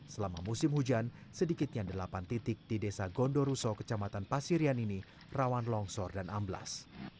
selama musim hujan sedikitnya delapan titik di desa gondoruso kecamatan pasirian ini rawan longsor dan amblas